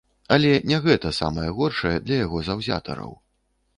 Але не гэта самае горшае для яго заўзятараў.